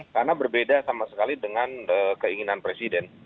karena berbeda sama sekali dengan keinginan presiden